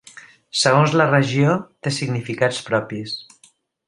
Segons la regió té significats propis.